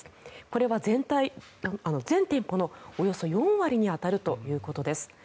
これは全店舗のおよそ４割に当たるということです。